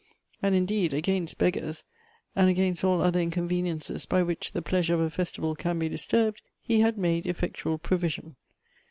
And, indeed, against beggars, and against all other inconveniences by which the pleasure of a festival can be disturbed, he had made effectual provision.